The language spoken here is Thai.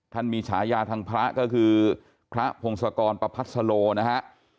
ท่านมีฉายาทางพระก็คือพระพงศกรปภัษโลนะฮะ